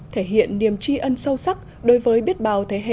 thể hiện niềm tri ân sâu sắc đối với biết bào thế hệ